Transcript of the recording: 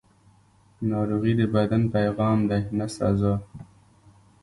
ناروغي د بدن پیغام دی، نه سزا.